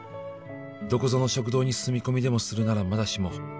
「どこぞの食堂に住み込みでもするならまだしも」